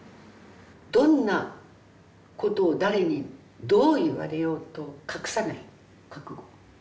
どんなことを誰にどう言われようと隠さない覚悟。